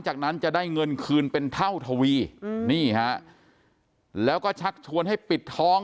จากนั้นจะได้เงินคืนเป็นเท่าทวีนี่ฮะแล้วก็ชักชวนให้ปิดท้อง